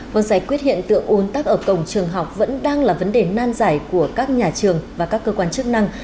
vâng giải quyết hiện tượng ồn tắc ở cổng trường học vẫn đang là vấn đề nan giải của các nhà trường và các cơ quan chức năng